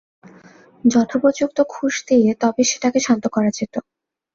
যথোপযুক্ত ঘুষ দিয়ে তবে সেটাকে শান্ত করা যেত।